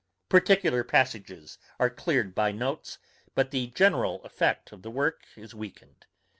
Particular passages are cleared by notes, but the general effect of the work is weakened.